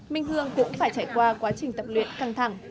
minh hương cũng phải trải qua quá trình tập luyện căng thẳng